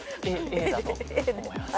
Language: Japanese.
Ａだと思います。